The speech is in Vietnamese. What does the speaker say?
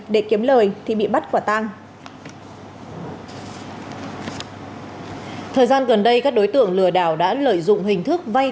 để kiếm lời thì bị bắt quả tang thời gian gần đây các đối tượng lừa đảo đã lợi dụng hình thức vay